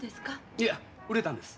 いや売れたんです。